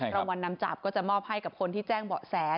รางวัลนำจับก็จะมอบให้กับคนที่แจ้งเบาะแส